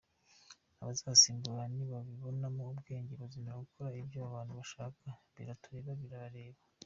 Abazansimbura nibabibonamo ubwenge bazemera gukora ibyo aba bantu bashaka, biratureba, birabareba.